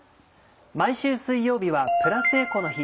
毎週水曜日はプラスエコの日。